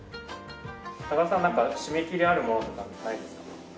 高田さんなんか締め切りあるものとかってないですか？